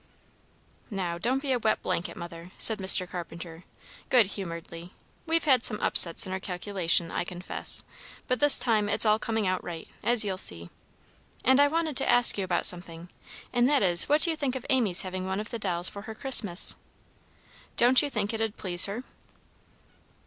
"Now, don't be a wet blanket, Mother," said Mr. Carpenter, good humoredly. "We've had some upsets in our calculation, I confess, but this time it's all coming out right, as you'll see. And I wanted to ask you about something, and that is what you'd think of Amy's having one of the dolls for her Christmas? Don't you think it'd please her?"